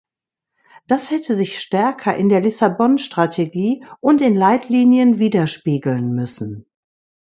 Das hätte sich stärker in der Lissabon-Strategie und den Leitlinien widerspiegeln müssen.